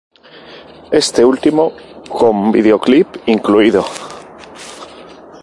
Este último con videoclip incluido.